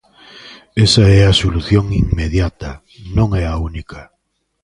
Esa é a solución inmediata, non é a única.